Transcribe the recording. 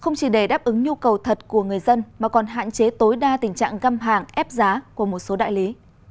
không chỉ để đáp ứng nhu cầu thật của người dân mà còn hạn chế tối đa tình trạng găm hàng ép giá của một số đại lý